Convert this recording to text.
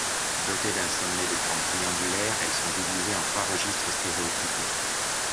Dotées d'un sommet de forme triangulaire, elles sont divisées en trois registres stéréotypés.